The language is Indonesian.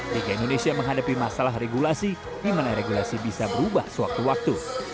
liga indonesia menghadapi masalah regulasi di mana regulasi bisa berubah sewaktu waktu